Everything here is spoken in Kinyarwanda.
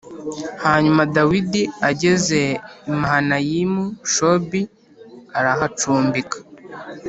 hanyuma dawidi ageze i mahanayimu shobi arahacumbika